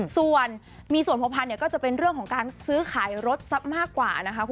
ส่วนมีส่วนผปันก็จะเป็นเรื่องของการซื้อขายรถซับมากกว่า